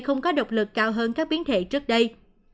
không có độc lực cao hơn các biến thể trước đây